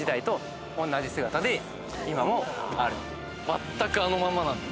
まったくあのままなんだ。